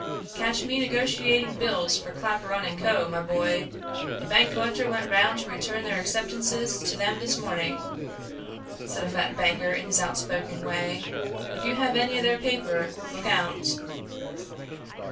"Catch me negotiating bills for Claparon & Co., my boy. The bank collector went round to return their acceptances to them this morning," said a fat banker in his outspoken way. "If you have any of their paper, look out."